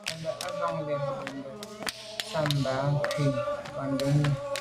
Ndǎ’ndʉ̂ a bαg len, ndɛ̂nmbə̀ sα̌m nyὰm mbὰ ncʉ̌’ kə cwɛ̌d nkondɛ̀n mi.